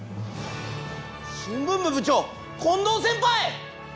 新聞部部長近藤先輩！